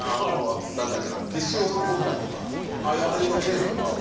何だっけなティッシュホルダーとかああいうアルミのケースとかを。